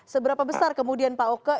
seberapa besar kemudian pak oke